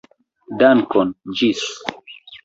Dankon, ĝis!